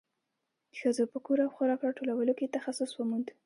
ښځو په کور او خوراک راټولولو کې تخصص وموند.